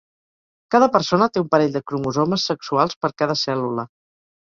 Cada persona té un parell de cromosomes sexuals per cada cèl·lula.